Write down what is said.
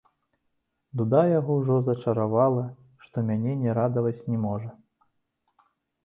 Дуда яго ўжо зачаравала, што мяне не радаваць не можа!